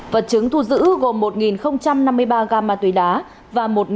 vật chứng thu giữ gồm một năm mươi ba gam ma túy đá và một đồng